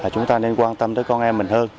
chúng ta nên quan tâm tới con em mình hơn